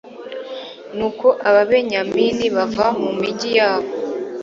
nuko ababenyamini bava mu migi yabo